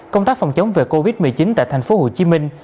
công tác phòng chống về covid một mươi chín tại thành phố hồ chí minh